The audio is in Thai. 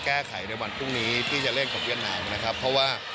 แก้ไขในวันพรุ่งนี้ที่จะเล่นกับเวียดนามนะครับเพราะว่า